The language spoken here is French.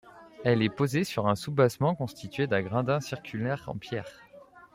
Elle est posée sur un soubassement constitué d'un gradin circulaire en pierres.